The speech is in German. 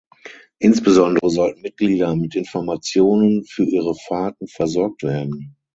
Insbesondere sollten Mitglieder mit Informationen für ihre Fahrten versorgt werden.